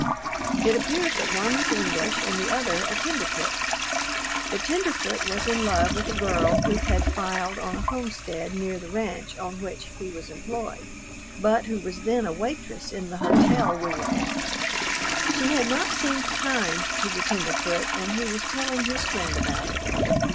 It appears that one was English and the other a tenderfoot. The tenderfoot was in love with a girl who had filed on a homestead near the ranch on which he was employed, but who was then a waitress in the hotel we were at. She had not seemed kind to the tenderfoot and he was telling his friend about it.